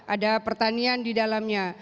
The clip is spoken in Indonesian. ada pertanian di dalamnya